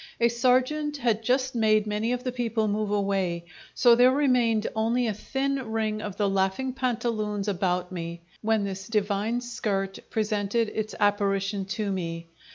A sergent had just made many of the people move away, so there remained only a thin ring of the laughing pantaloons about me, when this divine skirt presented its apparition to me.